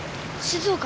静岡。